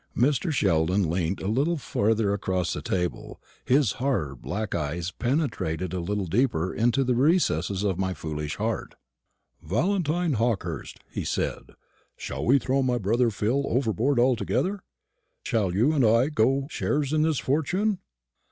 Mr. Sheldon leant a little further across the table, and his hard black eyes penetrated a little deeper into the recesses of my foolish heart. "Valentine Hawkehurst," he said, "shall we throw my brother Phil overboard altogether? Shall you and I go shares in this fortune?"